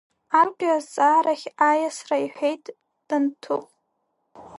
Актәи азҵаарахь аиасра, – иҳәеит Данҭыхә.